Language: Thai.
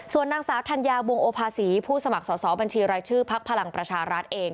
ส่วนนางสาวธัญญาวงโอภาษีผู้สมัครสอบบัญชีรายชื่อพักพลังประชารัฐเอง